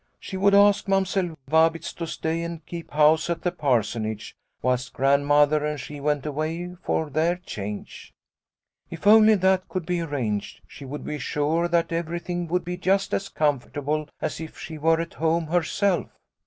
She would ask Mamsell Vabitz to stay and keep house at the Parsonage whilst Grand mother and she went away for their change. If only that could be arranged, she would be sure that everything would be just as com fortable as if she were at home herself."